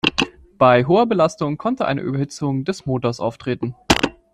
Bei hoher Belastung konnte eine Überhitzung des Motors auftreten.